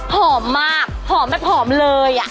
หอมมากหอมแบบหอมเลย